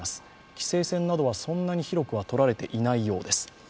規制線などはそんなに広くは取られていないようです。